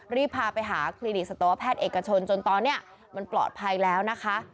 รีบพาไปหาคลินิกสัตวแพทย์เอกชนจนตอนนี้มันปลอดภัยแล้วนะคะ